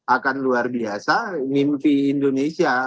akan luar biasa mimpi indonesia